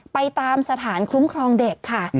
ไปตามสถานคุ้มครองเด็กค่ะ